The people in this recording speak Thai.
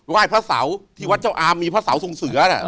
ไหว้พระเสาที่วัดเจ้าอามมีพระเสาทรงเสือน่ะ